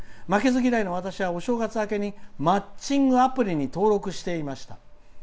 負けず嫌いの私は私はお正月明けにマッチングアプリに登録していました」。